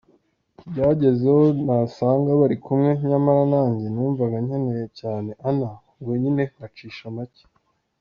Byagezeho nasanga bari kumwe nyamara nanjye numvaga nkeneye cyane Anna ubwo nyine ngacisha make.